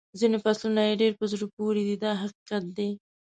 ځینې فصلونه یې ډېر په زړه پورې دي دا حقیقت دی.